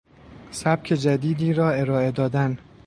سبک جدیدی را ارائه دادن